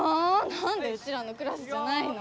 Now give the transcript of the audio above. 何でうちらのクラスじゃないの？